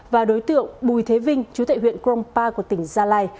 và đối tượng bùi thế vinh chú tại huyện krongpa của tỉnh gia lai